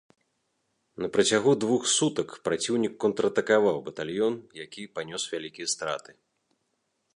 На працягу двух сутак праціўнік контратакаваў батальён, які панёс вялікія страты.